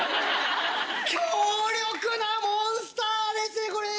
強力なモンスターですねこれ！